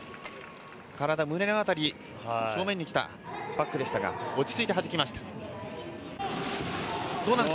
胸の辺りの正面に来たパックでしたが落ち着いてはじきました。